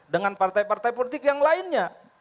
dengan partai partai politik yang lainnya